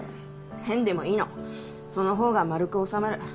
変でもいいのそのほうが丸く収まる。